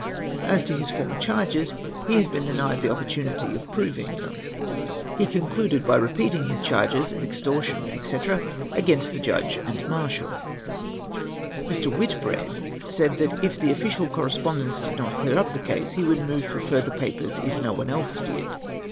As to his former charges, he had l^een denied the opportunity of proving them. He concluded Ijy repeating his charges of extortion, &c., against the Judge and Marshall. "Mr. Whitbeead said that if the official correspondence did not clear up the case, he would move for further papers if no one else did.